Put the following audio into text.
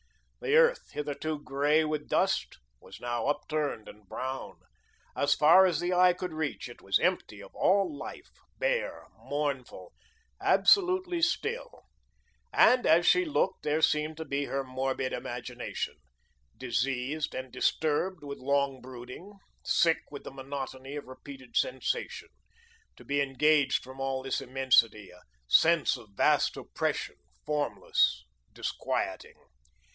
The earth, hitherto grey with dust, was now upturned and brown. As far as the eye could reach, it was empty of all life, bare, mournful, absolutely still; and, as she looked, there seemed to her morbid imagination diseased and disturbed with long brooding, sick with the monotony of repeated sensation to be disengaged from all this immensity, a sense of a vast oppression, formless, disquieting.